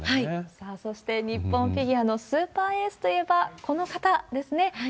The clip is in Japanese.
さあ、そして日本フィギュアのスーパーエースといえば、この方ですね。